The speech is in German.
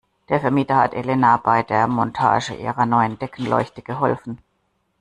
Der Vermieter hat Elena bei der Montage ihrer neuen Deckenleuchte geholfen.